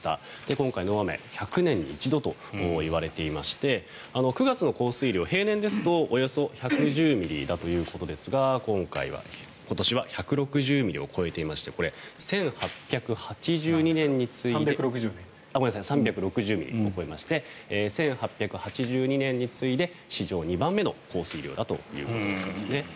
今回の大雨、１００年に一度といわれていまして９月の降水量、平年ですとおよそ１１０ミリだということですが今年は３６０ミリを超えていましてこれ、１８８２年に次いで史上２番目の降水量だということなんですね。